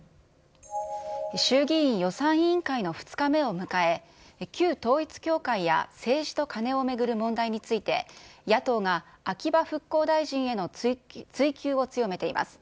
衆議院予算委員会の２日目を迎え、旧統一教会や政治とカネを巡る問題について、野党が秋葉復興大臣への追及を強めています。